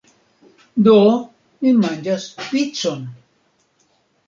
Do, mi manĝas picon!